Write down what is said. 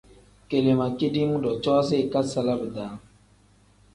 Kele ma kidiim-ro na coozi ikasala bidaa.